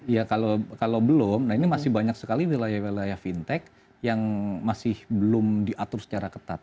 ya kalau belum nah ini masih banyak sekali wilayah wilayah fintech yang masih belum diatur secara ketat